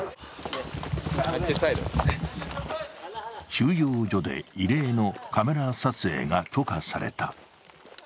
収容所で異例のカメラ撮影が許可された。